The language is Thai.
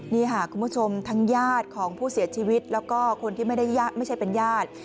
นี่ค่ะคุณผู้ชมทั้งญาติของผู้เสียชีวิตแล้วก็คนที่ไม่ได้ไม่ใช่เป็นญาติ